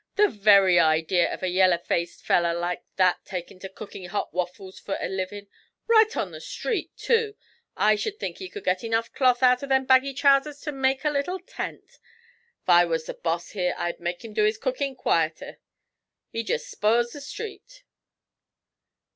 'The very idea of a yallow faced feller like that takin' to cookin' hot waffles for a livin'! Right in the street, too! I sh'd think he could get enough cloth out o' them baggy trousers to make him a little tent. 'F I was the boss here I'd make him do his cookin' quieter; he jest spiles the street.'